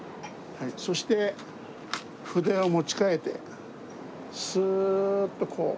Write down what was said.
そして筆を持ち替えてスーッとこう線を引きます。